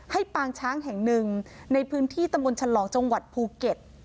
ปางช้างแห่งหนึ่งในพื้นที่ตำบลฉลองจังหวัดภูเก็ต